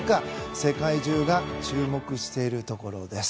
世界中が注目しているところです。